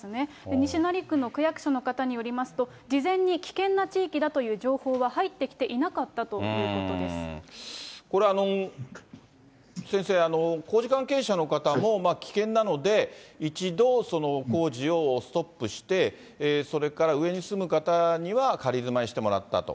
西成区の区役所の方によると、事前に危険な地域だという情報は入ってきていなかったということこれは先生、工事関係者の方も、危険なので、一度、工事をストップして、それから上に住む方には仮住まいしてもらったと。